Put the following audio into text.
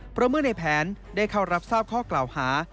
เพราะเมื่อในแผนได้เข้ารับทราบข้อกล่าวหา